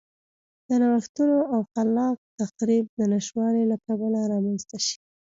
د نوښتونو او خلاق تخریب د نشتوالي له کبله رامنځته شي.